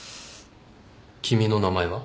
君の名前は？